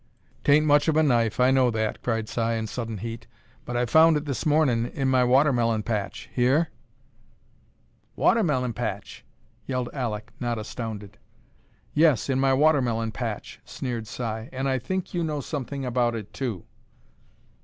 "'Tain't much of a knife, I know that," cried Si, in sudden heat, "but I found it this mornin' in my watermelon patch hear?" "Watahmellum paitch?" yelled Alek, not astounded. "Yes, in my watermelon patch," sneered Si, "an' I think you know something about it, too!"